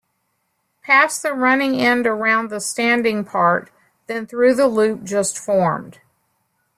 Pass the running end around the standing part, then through the loop just formed.